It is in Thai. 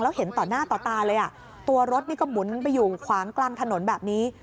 แล้วเห็นต่อหน้าต่อตาเลยอ่ะตัวรถนี่ก็หมุนไปอยู่ขวางกลางถนนแบบนี้